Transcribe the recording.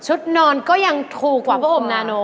นอนก็ยังถูกกว่าพระอมนาโน